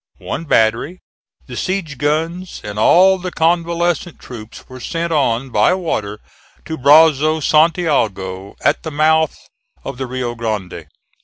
One battery, the siege guns and all the convalescent troops were sent on by water to Brazos Santiago, at the mouth of the Rio Grande.